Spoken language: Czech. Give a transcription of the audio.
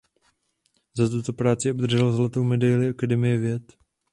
Za tuto práci obdržel zlatou medaili Akademie věd.